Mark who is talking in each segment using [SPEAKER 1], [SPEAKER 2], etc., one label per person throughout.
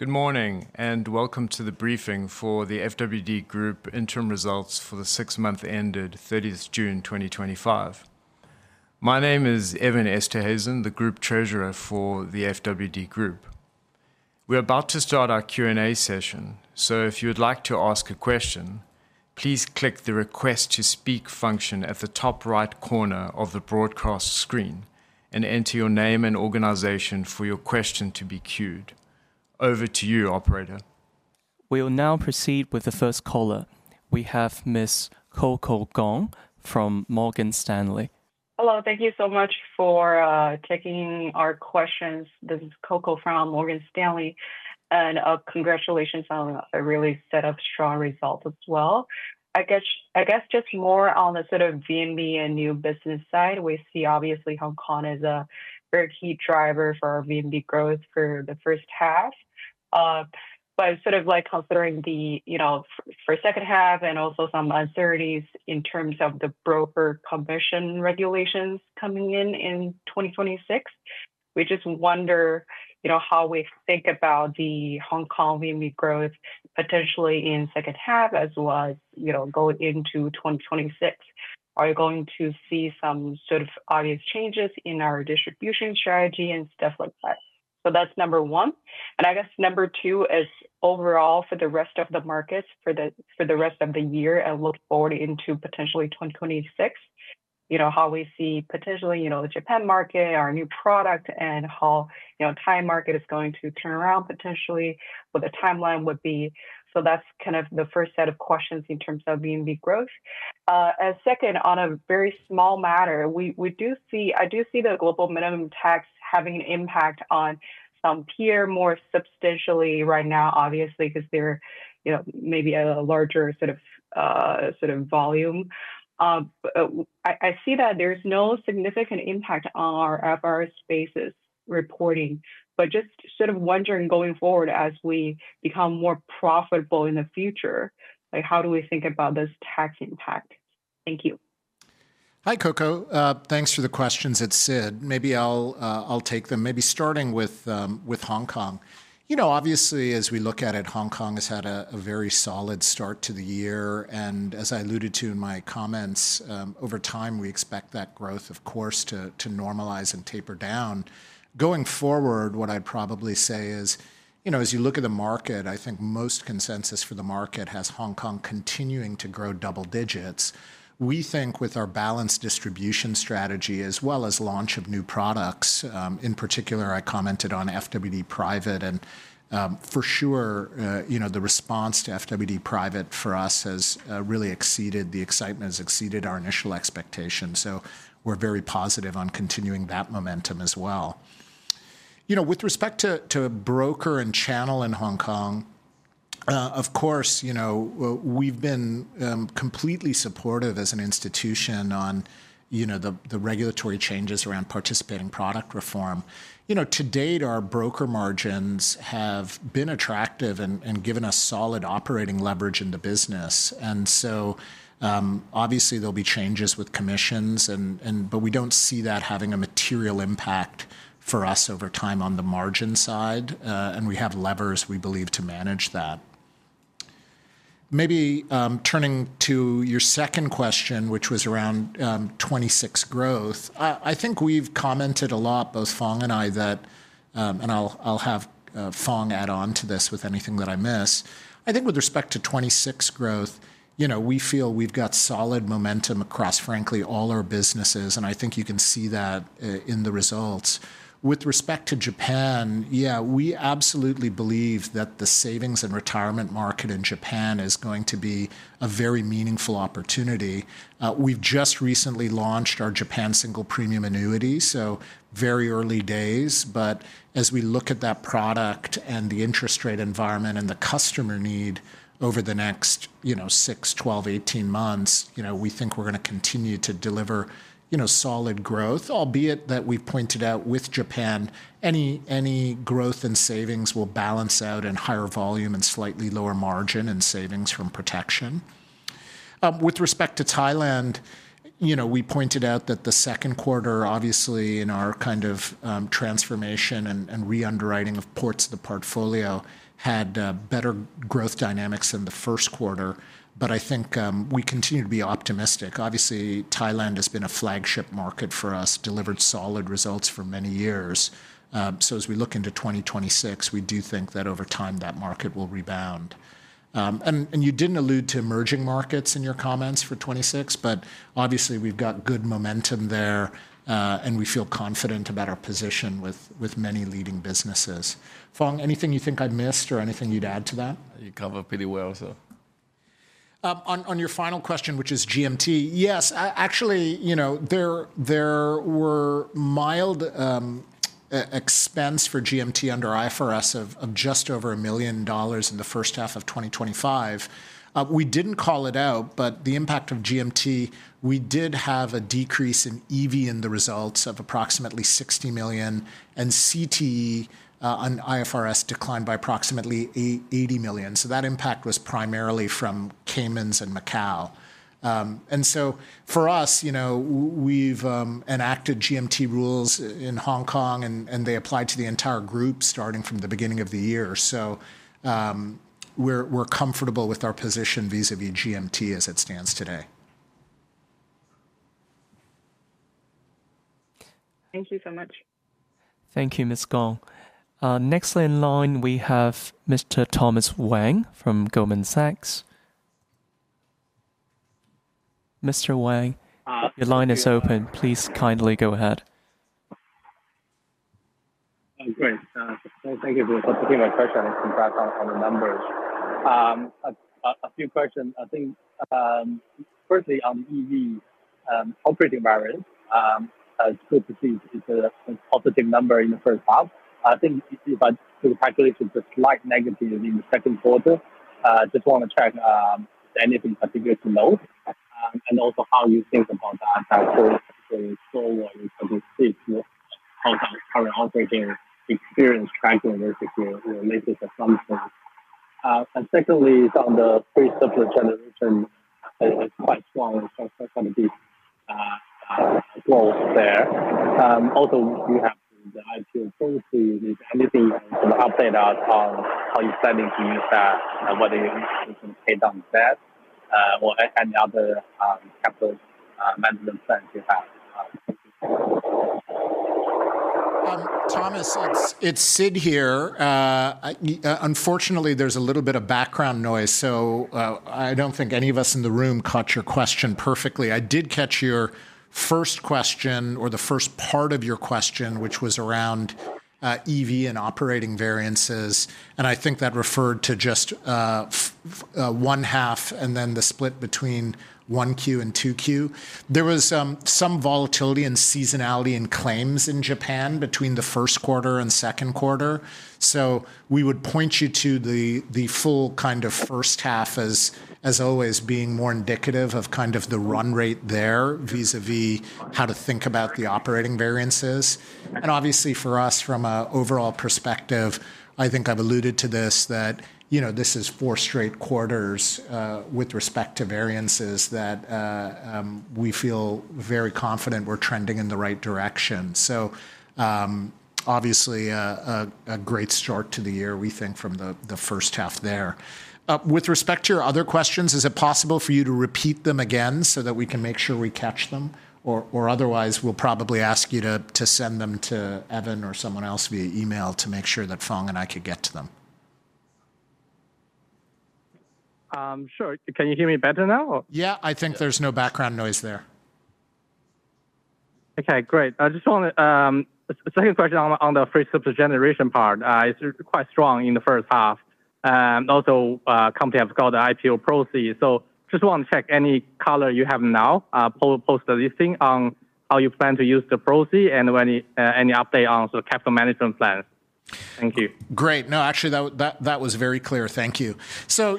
[SPEAKER 1] Good morning, and welcome to the briefing for the FWD Group interim results for the six months ended 30th June 2025. My name is Evan Esterhuizen, the Group Treasurer for the FWD Group. We're about to start our Q&A session, so if you would like to ask a question, please click the Request to Speak function at the top right corner of the broadcast screen and enter your name and organization for your question to be queued. Over to you, operator.
[SPEAKER 2] We will now proceed with the first caller. We have Ms. Coco Gong from Morgan Stanley.
[SPEAKER 3] Hello. Thank you so much for taking our questions. This is CoCo from Morgan Stanley. Congratulations on a really set of strong results as well. I guess just more on the sort of VNB and new business side, we see obviously Hong Kong is a very key driver for our VNB growth for the first half. But sort of like considering the, you know, for second half and also some uncertainties in terms of the broker commission regulations coming in in 2026, we just wonder, you know, how we think about the Hong Kong VNB growth potentially in second half as well as, you know, going into 2026. Are you going to see some sort of audience changes in our distribution strategy and stuff like that? That's number one. I guess number two is overall for the rest of the markets for the, for the rest of the year and look forward into potentially 2026, you know, how we see potentially, you know, the Japan market, our new product and how, you know, Thai market is going to turn around potentially, what the timeline would be. That's kind of the first set of questions in terms of VNB growth. Second, on a very small matter, I do see the Global Minimum Tax having an impact on some peers more substantially right now, obviously, because they're, you know, maybe a larger sort of volume. I see that there's no significant impact on our IFRS-based reporting, but just sort of wondering going forward as we become more profitable in the future, like how do we think about this tax impact? Thank you.
[SPEAKER 4] Hi, CoCo. Thanks for the questions. It's Sid. Maybe I'll take them. Maybe starting with Hong Kong. You know, obviously, as we look at it, Hong Kong has had a very solid start to the year. As I alluded to in my comments, over time, we expect that growth, of course, to normalize and taper down. Going forward, what I'd probably say is, you know, as you look at the market, I think most consensus for the market has Hong Kong continuing to grow double digits. We think with our balanced distribution strategy as well as launch of new products, in particular, I commented on FWD Private and, for sure, you know, the response to FWD Private for us has really exceeded, the excitement has exceeded our initial expectations. We're very positive on continuing that momentum as well. You know, with respect to broker and channel in Hong Kong, of course, you know, we've been completely supportive as an institution on, you know, the regulatory changes around participating product reform. You know, to date, our broker margins have been attractive and given us solid operating leverage in the business. Obviously, there'll be changes with commissions, but we don't see that having a material impact for us over time on the margin side. And we have levers, we believe, to manage that. Maybe turning to your second question, which was around 2026 growth. I think we've commented a lot, both Phong and I, that, and I'll have Phong add on to this with anything that I miss. I think with respect to 2026 growth, you know, we feel we've got solid momentum across, frankly, all our businesses, and I think you can see that in the results. With respect to Japan, yeah, we absolutely believe that the savings and retirement market in Japan is going to be a very meaningful opportunity. We've just recently launched our Japan single premium annuity, so very early days. As we look at that product and the interest rate environment and the customer need over the next, you know, six, 12, 18 months, you know, we think we're gonna continue to deliver, you know, solid growth, albeit that we've pointed out with Japan, any growth in savings will balance out in higher volume and slightly lower margin and savings from protection. With respect to Thailand, you know, we pointed out that the second quarter, obviously in our kind of transformation and re-underwriting of the portfolio, had better growth dynamics than the first quarter. I think we continue to be optimistic. Obviously, Thailand has been a flagship market for us, delivered solid results for many years. As we look into 2026, we do think that over time, that market will rebound. You didn't allude to emerging markets in your comments for 2026, but obviously we've got good momentum there, and we feel confident about our position with many leading businesses. Phong, anything you think I missed or anything you'd add to that?
[SPEAKER 5] You cover pretty well, so.
[SPEAKER 4] On your final question, which is GMT, yes. Actually, you know, there were mild expense for GMT under IFRS of just over $1 million in the first half of 2025. We didn't call it out, but the impact of GMT, we did have a decrease in EV in the results of approximately $60 million, and CSM on IFRS declined by approximately $80 million. That impact was primarily from Cayman and Macau. For us, you know, we've enacted GMT rules in Hong Kong and they apply to the entire group starting from the beginning of the year. We're comfortable with our position vis-a-vis GMT as it stands today.
[SPEAKER 3] Thank you so much.
[SPEAKER 2] Thank you, Ms. Gong. Next in line, we have Mr. Thomas Wang from Goldman Sachs. Mr. Wang.
[SPEAKER 6] Uh.
[SPEAKER 2] Your line is open. Please kindly go ahead.
[SPEAKER 6] Great. Thank you for taking my question and congrats on the numbers. A few questions. I think firstly on EV operating margins it's good to see it's a positive number in the first half. I think if I do the calculations it's a slight negative in the second quarter. Just wanna check anything particular to note and also how you think about the impact going forward as we see current operating experience tracking basically related to some extent. Secondly on the free surplus generation is quite strong. It's quite strong indeed. Growth there. Also you have the IPO proceeds. Any update on how you're planning to use that and whether you pay down debt or any other capital management plans you have.
[SPEAKER 4] Thomas, it's Sid here. Unfortunately there's a little bit of background noise, so I don't think any of us in the room caught your question perfectly. I did catch your first question or the first part of your question, which was around EV and operating variances, and I think that referred to just first half and then the split between 1Q and 2Q. There was some volatility and seasonality in claims in Japan between the first quarter and second quarter. We would point you to the full kind of first half as always being more indicative of kind of the run rate there vis-a-vis how to think about the operating variances. Obviously for us from an overall perspective, I think I've alluded to this, that you know, this is four straight quarters with respect to variances that we feel very confident we're trending in the right direction. Obviously a great start to the year, we think from the first half there. With respect to your other questions, is it possible for you to repeat them again so that we can make sure we catch them? Or otherwise we'll probably ask you to send them to Evan or someone else via email to make sure that Phong and I could get to them.
[SPEAKER 6] Sure. Can you hear me better now?
[SPEAKER 4] Yeah, I think there's no background noise there.
[SPEAKER 6] Okay, great. I just wanna second question on the free surplus generation part. It's quite strong in the first half. Also company has got the IPO proceeds. Just wanna check any color you have now, post the listing on how you plan to use the proceeds and any update on sort of capital management plan. Thank you.
[SPEAKER 4] Great. No, actually that was very clear. Thank you.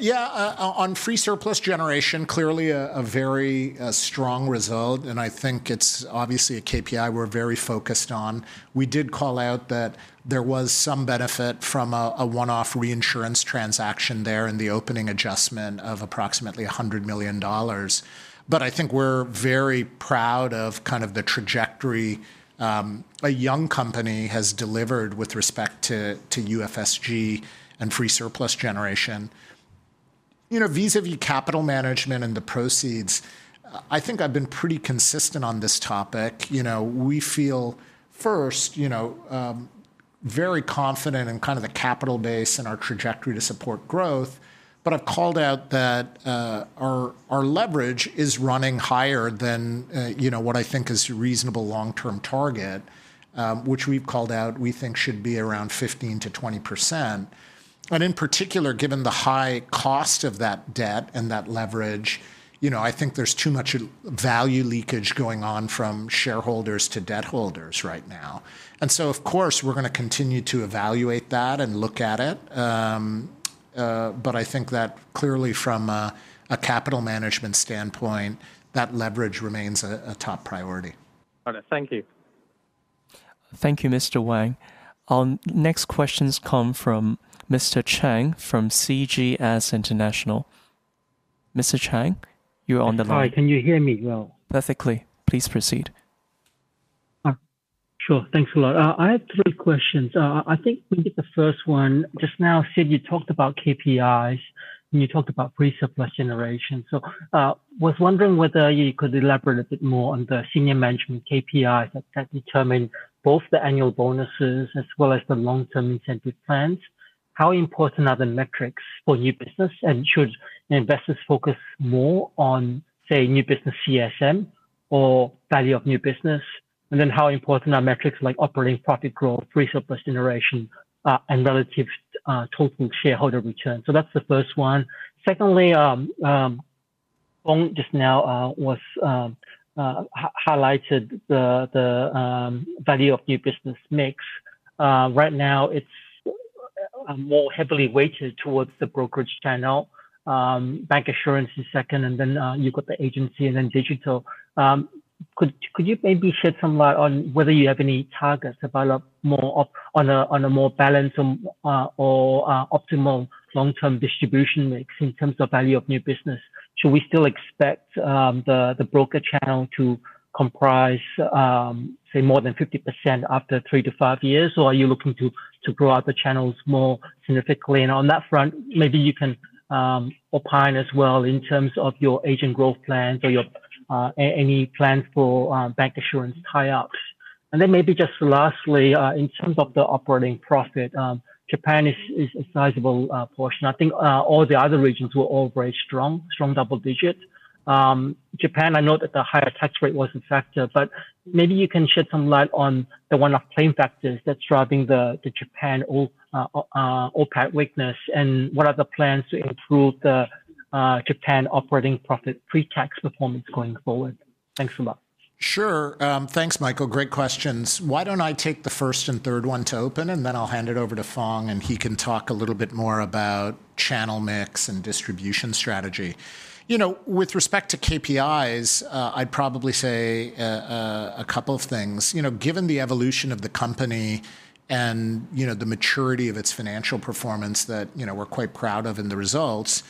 [SPEAKER 4] Yeah, on free surplus generation, clearly a very strong result, and I think it's obviously a KPI we're very focused on. We did call out that there was some benefit from a one-off reinsurance transaction there in the opening adjustment of approximately $100 million. I think we're very proud of kind of the trajectory, a young company has delivered with respect to UFSG and free surplus generation. You know, vis-a-vis capital management and the proceeds, I think I've been pretty consistent on this topic. You know, we feel first, you know, very confident in kind of the capital base and our trajectory to support growth. I've called out that our leverage is running higher than you know what I think is reasonable long-term target, which we've called out, we think should be around 15%-20%. In particular, given the high cost of that debt and that leverage, you know, I think there's too much value leakage going on from shareholders to debt holders right now. Of course, we're gonna continue to evaluate that and look at it. I think that clearly from a capital management standpoint, that leverage remains a top priority.
[SPEAKER 6] Got it. Thank you.
[SPEAKER 2] Thank you, Mr. Wang. Our next questions come from Mr. Chang from CGS International. Mr. Chang, you're on the line.
[SPEAKER 7] Hi, can you hear me well?
[SPEAKER 2] Perfectly. Please proceed.
[SPEAKER 7] Sure. Thanks a lot. I have three questions. I think maybe the first one, just now, Sid, you talked about KPIs, and you talked about free surplus generation. Was wondering whether you could elaborate a bit more on the senior management KPIs that determine both the annual bonuses as well as the long-term incentive plans. How important are the metrics for new business, and should investors focus more on, say, new business CSM or value of new business? Then how important are metrics like operating profit growth, free surplus generation, and relative total shareholder return? That's the first one. Secondly, Phong just now highlighted the value of new business mix. Right now it's more heavily weighted towards the brokerage channel. Bancassurance is second, and then you've got the agency and then digital. Could you maybe shed some light on whether you have any targets to follow more up on a more balanced or optimal long-term distribution mix in terms of value of new business? Should we still expect the broker channel to comprise, say more than 50% after three to five years? Or are you looking to grow out the channels more significantly? On that front, maybe you can opine as well in terms of your agent growth plans or your any plans for Bancassurance tie-ups. Then maybe just lastly, in terms of the operating profit, Japan is a sizable portion. I think all the other regions were all very strong double digits. Japan, I know that the higher tax rate was a factor, but maybe you can shed some light on the one-off claim factors that's driving the Japan OPAT weakness, and what are the plans to improve the Japan operating profit pre-tax performance going forward? Thanks so much.
[SPEAKER 4] Sure. Thanks Michael, great questions. Why don't I take the first and third one to open and then I'll hand it over to Phong and he can talk a little bit more about channel mix and distribution strategy. You know, with respect to KPIs, I'd probably say a couple of things. You know, given the evolution of the company and, you know, the maturity of its financial performance that, you know, we're quite proud of in the results,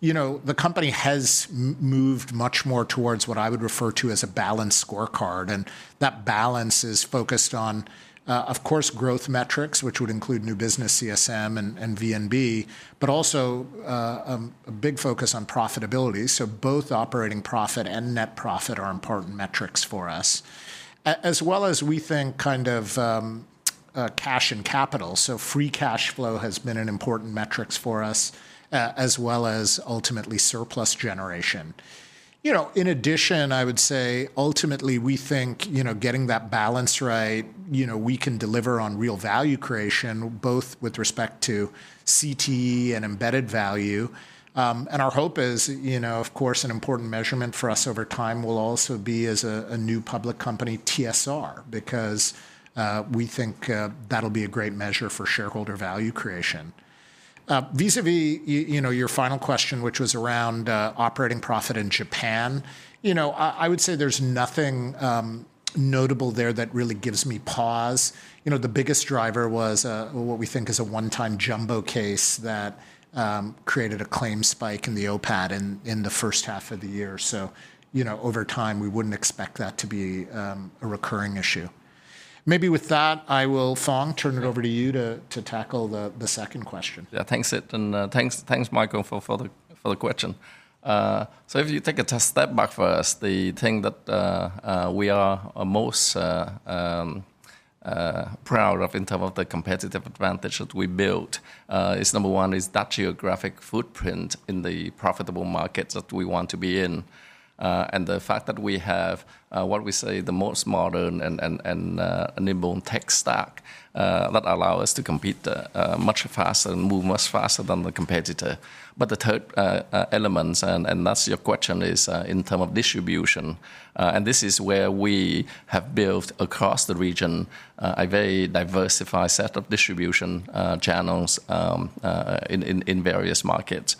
[SPEAKER 4] you know, the company has moved much more towards what I would refer to as a balanced scorecard. That balance is focused on, of course, growth metrics, which would include new business CSM and VNB, but also a big focus on profitability, so both operating profit and net profit are important metrics for us. As well as we think kind of a cash and capital, so free cash flow has been an important metrics for us, as well as ultimately surplus generation. You know, in addition, I would say ultimately we think, you know, getting that balance right, you know, we can deliver on real value creation, both with respect to CTE and embedded value. Our hope is, you know, of course, an important measurement for us over time will also be as a new public company, TSR, because we think, that'll be a great measure for shareholder value creation. Vis-à-vis, you know, your final question, which was around operating profit in Japan. You know, I would say there's nothing notable there that really gives me pause. You know, the biggest driver was what we think is a one-time jumbo case that created a claim spike in the OPAT in the first half of the year. You know, over time, we wouldn't expect that to be a recurring issue. Maybe with that, I will, Phong, turn it over to you to tackle the second question.
[SPEAKER 5] Yeah, thanks, Sid, and thanks Michael for the question. If you take a step back first, the thing that we are most proud of in terms of the competitive advantage that we built is number one, that geographic footprint in the profitable markets that we want to be in. The fact that we have what we say, the most modern and nimble tech stack that allow us to compete much faster and move much faster than the competitor. The third elements and that's your question is in terms of distribution. This is where we have built across the region a very diversified set of distribution channels in various markets.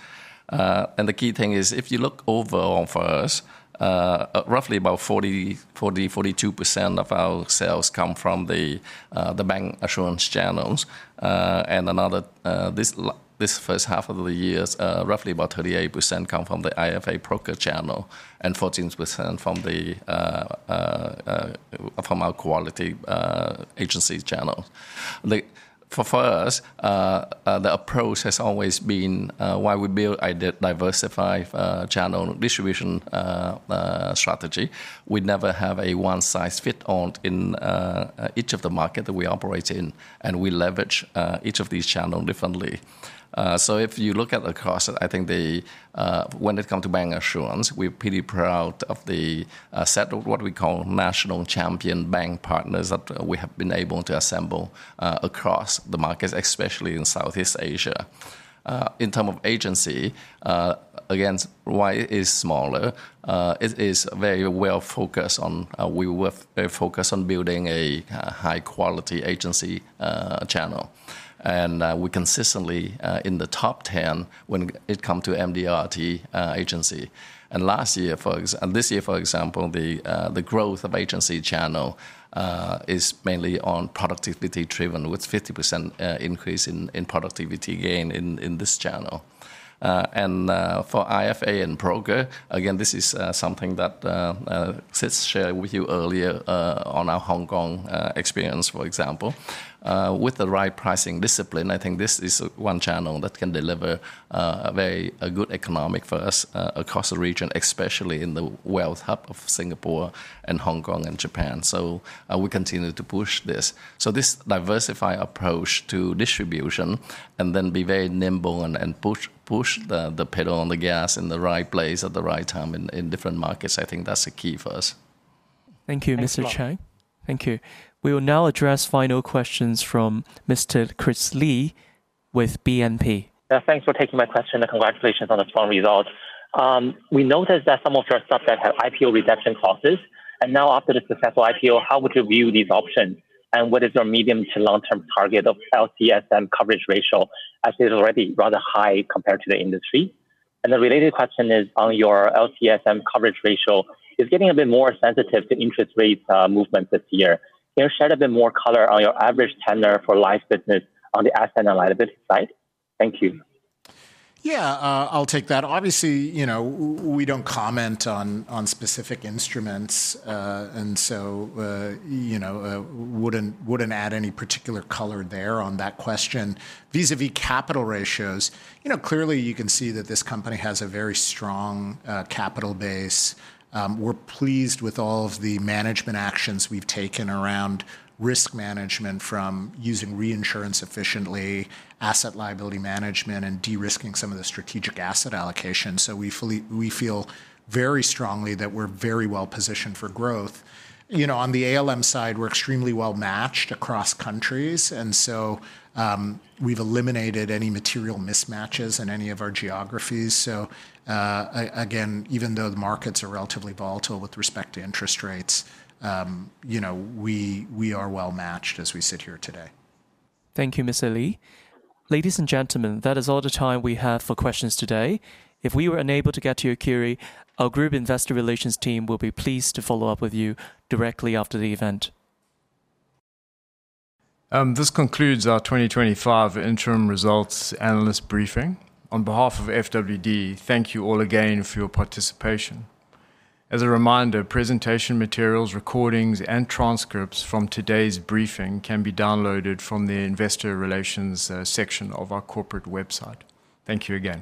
[SPEAKER 5] The key thing is if you look overall for us, roughly about 42% of our sales come from the Bancassurance channels. In this first half of the year, roughly about 38% come from the IFA broker channel and 14% from our quality agencies channel. The approach has always been why we build a diversified channel distribution strategy. We never have a one-size-fits-all in each of the market that we operate in, and we leverage each of these channel differently. If you look at the cost, I think the When it comes to Bancassurance, we're pretty proud of the set of what we call national champion bank partners that we have been able to assemble across the markets, especially in Southeast Asia. In terms of agency, again, while it is smaller, it is very well focused on we were very focused on building a high-quality agency channel. We consistently in the top 10 when it comes to MDRT agency. Last year and this year, for example, the growth of agency channel is mainly productivity driven, with 50% increase in productivity gain in this channel. For IFA and broker, again, this is something that Sid shared with you earlier on our Hong Kong experience, for example. With the right pricing discipline, I think this is one channel that can deliver a good economics for us across the region, especially in the wealth hub of Singapore and Hong Kong and Japan. We continue to push this. This diversified approach to distribution and then be very nimble and push the pedal on the gas in the right place at the right time in different markets, I think that's the key for us.
[SPEAKER 2] Thank you, Mr. Chang.
[SPEAKER 7] Thanks a lot.
[SPEAKER 2] Thank you. We will now address final questions from Mr. Chris Lee with BNP.
[SPEAKER 8] Yeah, thanks for taking my question, and congratulations on the strong results. We noticed that some of your stuff that had IPO redemption clauses, and now after the successful IPO, how would you view these options? What is your medium to long-term target of LCSM coverage ratio, as it is already rather high compared to the industry? The related question is on your LCSM coverage ratio. It's getting a bit more sensitive to interest rate movement this year. Can you shed a bit more color on your average duration for life business on the asset and liability side? Thank you.
[SPEAKER 4] Yeah. I'll take that. Obviously, you know, we don't comment on specific instruments. You know, wouldn't add any particular color there on that question. Vis-à-vis capital ratios, you know, clearly you can see that this company has a very strong capital base. We're pleased with all of the management actions we've taken around risk management from using reinsurance efficiently, asset liability management, and de-risking some of the strategic asset allocation. So we feel very strongly that we're very well positioned for growth. You know, on the ALM side, we're extremely well matched across countries. We've eliminated any material mismatches in any of our geographies. Again, even though the markets are relatively volatile with respect to interest rates, you know, we are well matched as we sit here today.
[SPEAKER 2] Thank you, Mr. Lee. Ladies and gentlemen, that is all the time we have for questions today. If we were unable to get to your query, our group investor relations team will be pleased to follow up with you directly after the event.
[SPEAKER 5] This concludes our 2025 interim results analyst briefing. On behalf of FWD, thank you all again for your participation. As a reminder, presentation materials, recordings, and transcripts from today's briefing can be downloaded from the investor relations section of our corporate website. Thank you again.